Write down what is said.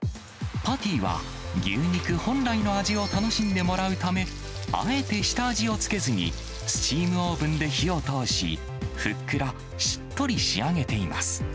パティは、牛肉本来の味を楽しんでもらうため、あえて下味をつけずにスチームオーブンで火を通し、ふっくらしっとり仕上げています。